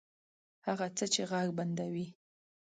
هغه څه چې ږغ بندوي